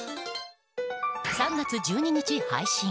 ３月１２日配信。